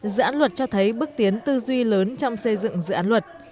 dự án luật cho thấy bước tiến tư duy lớn trong xây dựng dự án luật